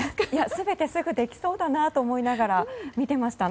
全てすぐできそうだなと思いながら見てました。